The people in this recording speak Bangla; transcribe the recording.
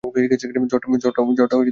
ঝড়টা এগিয়ে গেছে।